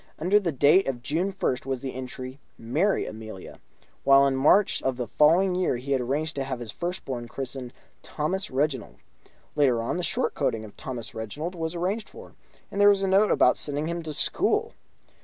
Under the date of June 1st was the entry: "Marry Amelia"; while in March of the following year he had arranged to have his first born christened Thomas Reginald. Later on, the short coating of Thomas Reginald was arranged for, and there was a note about sending him to school.